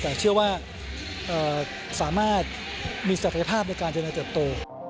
แต่เชื่อว่าสามารถมีศักยภาพในการเจริญเติบโต